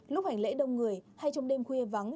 lúc hành lễ đông người hay trong đêm khuya vắng